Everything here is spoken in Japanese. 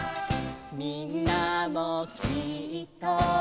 「みんなもきっと」